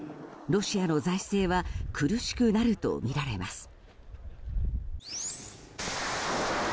ロシアの財政は苦しくなるとみられます。